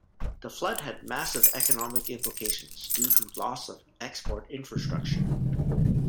The flood had massive economic implications due to loss of export infrastructure.